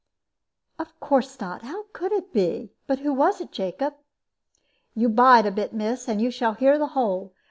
"Of course not. How could it be? But who was it, Jacob?" "You bide a bit, miss, and you shall hear the whole.